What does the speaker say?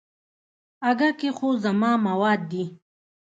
اگه کې خو زما مواد دي.